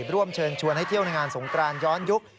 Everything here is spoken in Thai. ร่วมเชิญชวนให้เที่ยวในงานสงกรานย้อนยุค